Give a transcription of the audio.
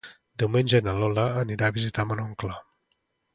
Diumenge na Lola anirà a visitar mon oncle.